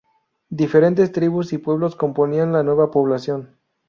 Diferentes tribus y pueblos componían la nueva población.